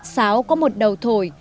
sáo có một đầu thổi